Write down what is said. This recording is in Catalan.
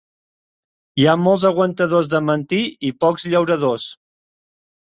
Hi ha molts aguantadors de mantí i pocs llauradors.